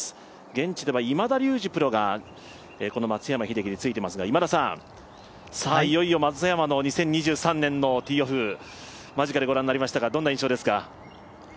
現地では今田竜二プロがこの松山英樹についてますが今田さん、いよいよ松山の２０２３年のティーオフ間近でご覧になりましたがどんな印象ですか？